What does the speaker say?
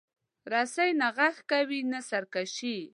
رسۍ نه غږ کوي، نه سرکشي.